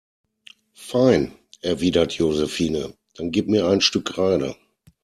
Fein, erwidert Josephine, dann gib mir ein Stück Kreide.